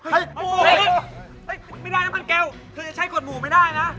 ไม่ได้น้ำมันแก้วคือจะใช้กฎหมู่ไม่ได้นะ